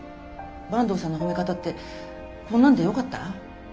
坂東さんの褒め方ってこんなんでよかった？